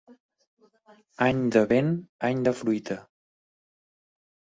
Any de vent, any de fruita.